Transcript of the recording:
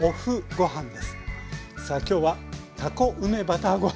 さあ今日は「たこ梅バターご飯」